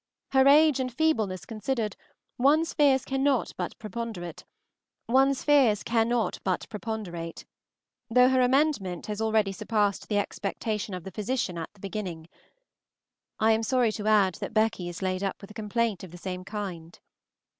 Her age and feebleness considered, one's fears cannot but preponderate, though her amendment has already surpassed the expectation of the physician at the beginning. I am sorry to add that Becky is laid up with a complaint of the same kind.